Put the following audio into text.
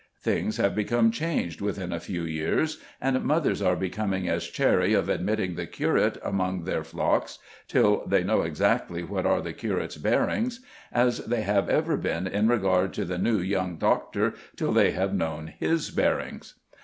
Things have become changed within a few years, and mothers are becoming as chary of admitting the curate among their flocks till they know exactly what are the curate's bearings as they have ever been in regard to the new young doctor till they have known his bearings.